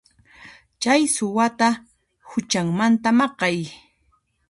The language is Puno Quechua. Chay suwata huchanmanta maqay.